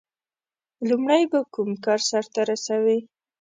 • لومړی به کوم کار سر ته رسوي؟